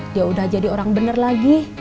dia udah jadi orang bener lagi